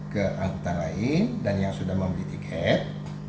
ke angkutan lain dan yang sudah membeli tiket